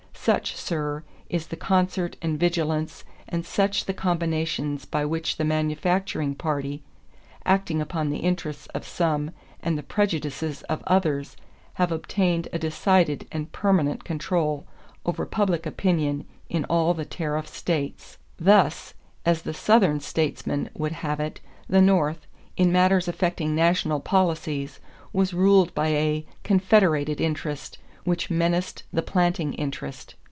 Such, sir, is the concert and vigilance and such the combinations by which the manufacturing party, acting upon the interests of some and the prejudices of others, have obtained a decided and permanent control over public opinion in all the tariff states." Thus, as the Southern statesman would have it, the North, in matters affecting national policies, was ruled by a "confederated interest" which menaced the planting interest.